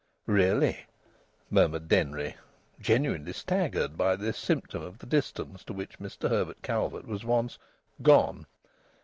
"Really!" murmured Denry, genuinely staggered by this symptom of the distance to which Mr Herbert Calvert was once "gone."